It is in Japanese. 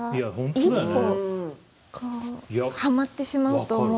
一歩こうはまってしまうともう。